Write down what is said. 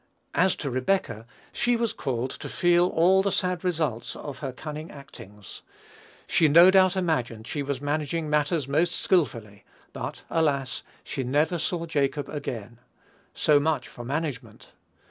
As to Rebekah, she was called to feel all the sad results of her cunning actings. She no doubt imagined she was managing matters most skilfully; but alas! she never saw Jacob again: so much for management!